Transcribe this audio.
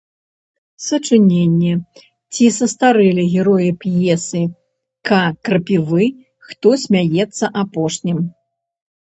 Сачыненне ці састарэлі героі п’есы К.Крапівы “Хто смяецца апошнім”